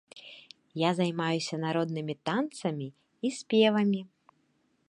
Я займаюся народнымі танцамі і спевамі.